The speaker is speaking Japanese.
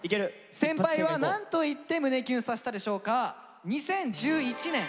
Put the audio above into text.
先輩はなんと言って胸キュンさせたでしょうか。